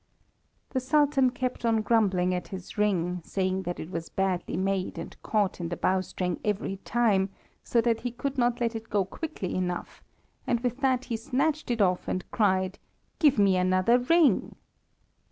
The Sultan kept on grumbling at his ring, saying that it was badly made and caught in the bow string every time, so that he could not let it go quickly enough, and with that he snatched it off, and cried, "Give me another ring!"